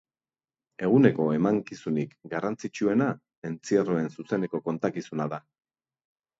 Eguneko emankizunik garrantzitsuena entzierroen zuzeneko kontakizuna da.